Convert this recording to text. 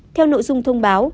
theo nội dung thông báo